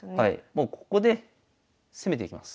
もうここで攻めていきます。